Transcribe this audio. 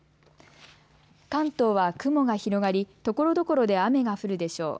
関東は雲が広がりところどころで雨が降るでしょう。